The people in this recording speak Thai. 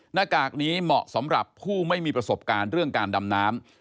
หน้ากากนี้เหมาะสำหรับผู้ไม่มีประสบการณ์เรื่องการดำน้ำ